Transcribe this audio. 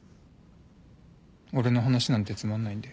俺の話なんてつまんないんで。